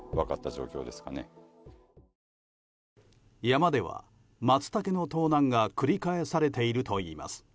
山では、マツタケの盗難が繰り返されているといいます。